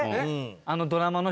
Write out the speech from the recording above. あのドラマの。